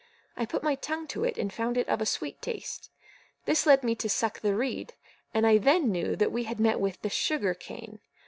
I put my tongue to it, and found it of a sweet taste. This led me to suck the reed, and I then knew that we had met with the SUG AR CANE.